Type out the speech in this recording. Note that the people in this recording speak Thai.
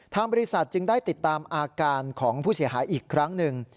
บริษัทจึงได้ติดตามอาการของผู้เสียหายอีกครั้งหนึ่ง